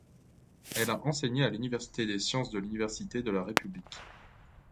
Elle a enseigné à l'université des sciences de l'Université de la République.